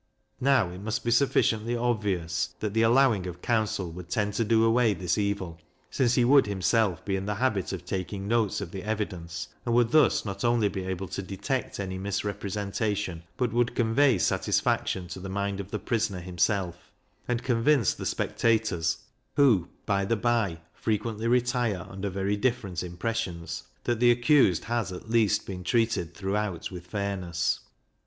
Now it must be sufficiently obvious that the allowing of counsel would tend to do away this evil, since he would himself be in the habit of taking notes of the evidence, and would thus not only be able to detect any misrepresentation, but would convey satisfaction to the mind of the prisoner himself; and convince the spectators (who, by the bye, frequently retire under very different impressions), that the accused has at least been treated throughout with fairness.